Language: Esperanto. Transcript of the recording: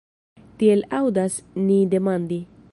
Tiel aŭdas ni demandi.